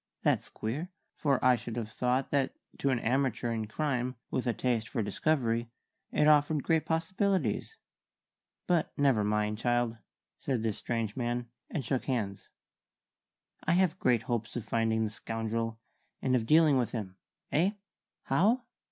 That's queer, for I should have thought that to an amateur in crime with a taste for discovery it offered great possibilities. But never mind, child," said this strange man, and shook hands. "I have great hopes of finding the scoundrel, and of dealing with him. Eh? 'How?'